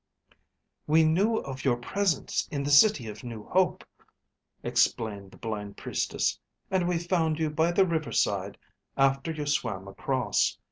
"We knew of your presence in the City of New Hope," explained the blind Priestess, "and we found you by the riverside after you swam across.